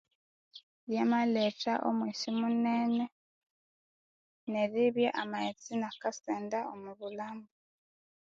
Byamaletha omwesi munene neribya amaghetse inakasenda omobulambo